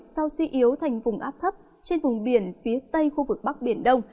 sau suy yếu thành vùng áp thấp trên vùng biển phía tây khu vực bắc biển đông